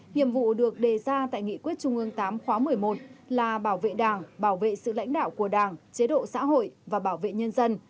nhiệm vụ được đề ra tại nghị quyết trung ương tám khóa một mươi một là bảo vệ đảng bảo vệ sự lãnh đạo của đảng chế độ xã hội và bảo vệ nhân dân